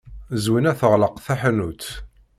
Zwina teɣleq taḥanut.